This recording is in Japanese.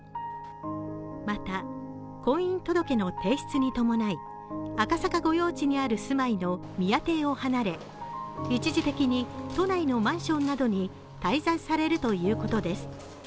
また、婚姻届の提出に伴い赤坂御用地にある住まいの宮邸を離れ一時的に都内のマンションなどに滞在されるということです。